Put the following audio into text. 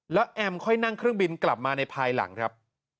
แล้วแอมค่อยนั่งเครื่องบินกลับมาในภายหลังครับ